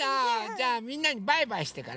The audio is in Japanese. じゃみんなにバイバイしてからね。